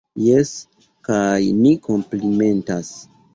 Jes, kaj ni komplimentas.